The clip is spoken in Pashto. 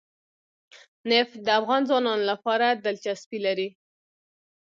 نفت د افغان ځوانانو لپاره دلچسپي لري.